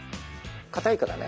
かたいからね。